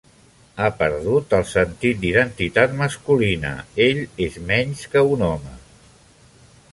Ha perdut el sentit d'identitat masculina; ell és menys que un home.